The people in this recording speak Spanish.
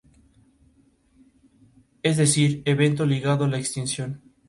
Es decir, evento ligado a la extinción.